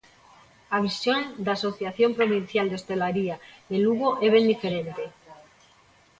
A visión da asociación provincial de hostalaría de Lugo é ben diferente.